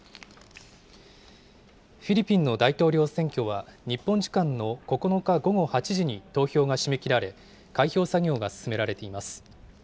フィリピンの大統領選挙は日本時間の９日午後８時に投票が締め切られ、開票作業が進められています。